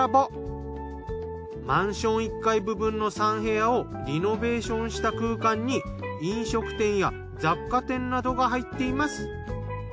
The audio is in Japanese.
マンション１階部分の３部屋をリノベーションした空間に飲食店や雑貨店などが入っています。